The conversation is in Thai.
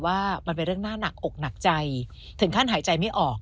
ว่ามันเป็นเรื่องน่าหนักอกหนักใจถึงขั้นหายใจไม่ออก